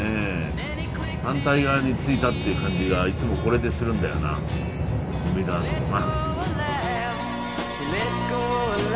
反対側に着いたっていう感じがいつもこれでするんだよなコンビナートのな。